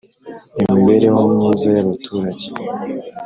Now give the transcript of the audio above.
imibereho myiza y, abaturage